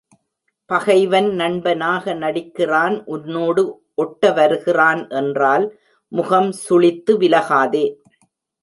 பகைவன் நண்பனாக நடிக்கிறான் உன்னோடு ஒட்ட வருகிறான் என்றால் முகம் சுளித்து விலக்காதே.